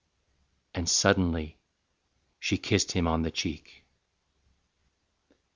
And suddenly she kissed him on the cheek.